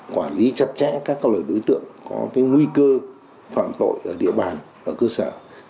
quản lý chặt chẽ các loại đối tượng có nguy cơ phản tội ở địa bàn cơ sở